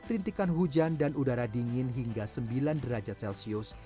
rintikan hujan dan udara dingin hingga sembilan derajat celcius